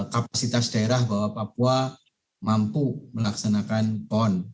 kapasitas daerah bahwa papua mampu melaksanakan pon